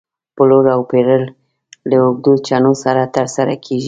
پلور او پېر له اوږدو چنو سره تر سره کېږي.